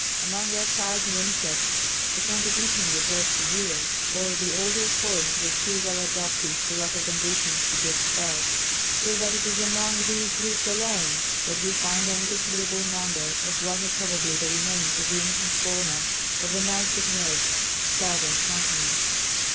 Among reptiles and insects the competition was less severe, or the older forms were too well adapted to local conditions to be expelled; so that it is among these groups alone that we find any considerable number of what are probably the remains of the ancient fauna of a now submerged Southern Continent."